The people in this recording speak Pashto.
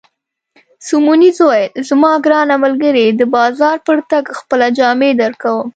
سیمونز وویل: زما ګرانه ملګرې، د بازار پر تګ خپله جامې درکوم.